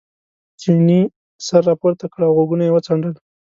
چیني سر را پورته کړ او غوږونه یې وڅنډل.